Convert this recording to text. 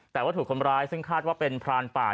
แต่ว่าถูกคนร้ายซึ่งคาดว่าเป็นพรานป่า